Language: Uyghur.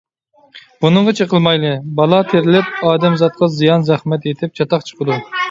بۇنىڭغا چېقىلمايلى، بالا تېرىلىپ، ئادەمزاتقا زىيان - زەخمەت يېتىپ، چاتاق چىقىدۇ.